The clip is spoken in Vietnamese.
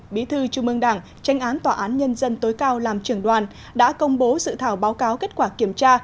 bí thư trung ương đảng tranh án tòa án nhân dân tối cao làm trưởng đoàn đã công bố dự thảo báo cáo kết quả kiểm tra